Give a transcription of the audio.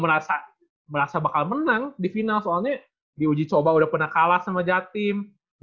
mereka ga merasa bakal menang di final soalnya di uji coba udah pernah kalah sama jatim